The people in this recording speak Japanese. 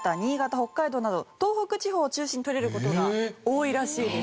北海道など東北地方を中心に採れる事が多いらしいです。